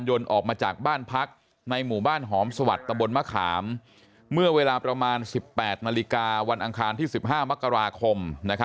ออกมาจากบ้านพักในหมู่บ้านหอมสวัสดิ์ตะบนมะขามเมื่อเวลาประมาณ๑๘นาฬิกาวันอังคารที่๑๕มกราคม